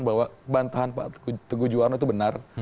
bahwa bantahan pak teguh juwarno itu benar